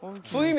そう。